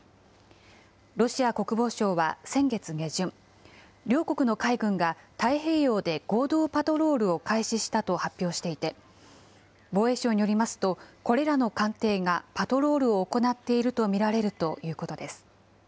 ロシア国防省は先月下旬、両国の海軍が太平洋で合同パトロールを開始したと発表していて、防衛省によりますと、これらの艦艇がパトロールを行っていると見られるということです。